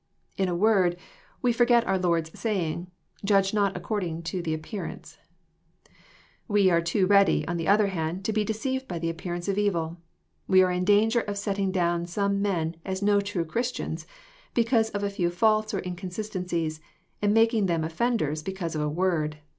— In a word, we forget our Lord's saying, —^' Judge not according to the appearance/' We are too ready, on the other hand, to be deceived by the appearance of evil. We are in djinger of setting down some men as no true Christianj^ because of a few faults or inconsistencies, and *^ making them offenders because of a word."